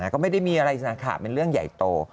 ก็ไม่ได้มีอะไรสักค่ะเป็นเรื่องใหญ่โต